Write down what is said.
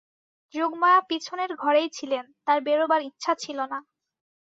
যোগমায়া পিছনের ঘরেই ছিলেন, তাঁর বেরোবার ইচ্ছা ছিল না।